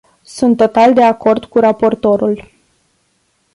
Sunt total de acord cu raportorul.